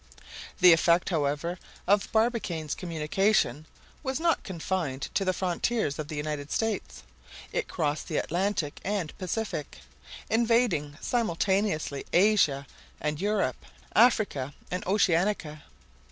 The effect, however, of Barbicane's communication was not confined to the frontiers of the United States; it crossed the Atlantic and Pacific, invading simultaneously Asia and Europe, Africa and Oceanica.